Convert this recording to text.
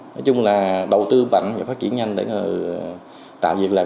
nói chung là đầu tư mạnh và phát triển nhanh để tạo việc làm